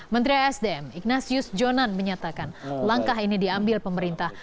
menteri asdm ignatius jonan menyatakan langkah ini diambil pemerintah